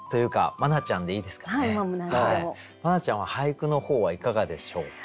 茉奈ちゃんは俳句の方はいかがでしょうか？